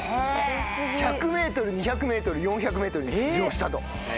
１００ｍ２００ｍ４００ｍに出場したと。